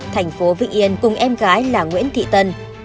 thành phố vĩnh yên cùng em gái là nguyễn thị tân